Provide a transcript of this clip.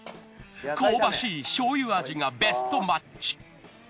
香ばしい醤油味がベストマッチ。